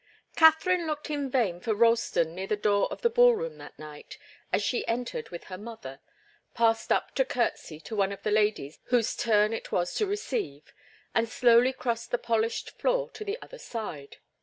Katharine looked in vain for Ralston near the door of the ball room that night, as she entered with her mother, passed up to curtsy to one of the ladies whose turn it was to receive and slowly crossed the polished floor to the other side.